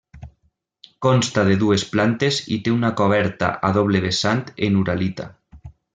Consta de dues plantes i té una coberta a doble vessant en uralita.